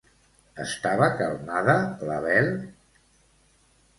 Estava calmada la Bel?